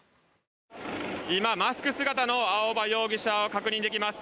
今、マスク姿の青葉容疑者確認できます。